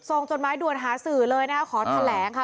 ส่งจดไม้ด่วนหาสื่อเลยนะขอแถลงค่ะ